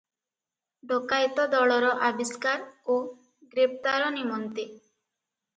ଡକାଏତ ଦଳର ଆବିଷ୍କାର ଓ ଗ୍ରେପ୍ତାର ନିମନ୍ତେ ।